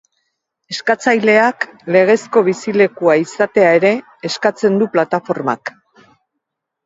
Eskatzaileak legezko bizilekua izatea ere eskatzen du plataformak.